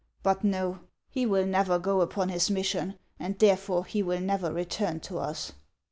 But no ; he will never go upon his mission, and therefore he will never return to us."